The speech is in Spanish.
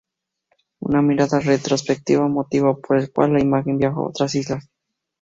Una mirada retrospectiva"", motivo por el cual, la imagen viajó a otras islas.